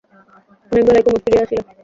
অনেক বেলায় কুমুদ ফিরিয়া আসিল।